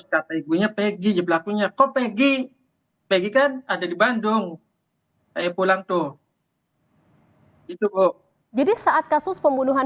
kenapa paul berbelakang di situ melbras menelpon